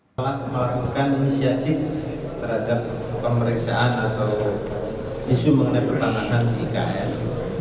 telah melakukan inisiatif terhadap pemeriksaan atau isu mengenai pertahanan ikn